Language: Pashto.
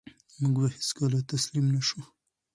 موږ به هېڅکله تسلیم نه شو.